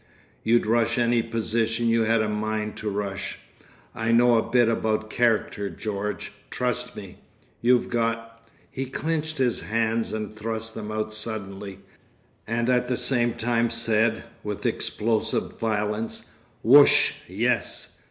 You'd rush any position you had a mind to rush. I know a bit about character, George—trust me. You've got—" He clenched his hands and thrust them out suddenly, and at the same time said, with explosive violence, "Wooosh! Yes.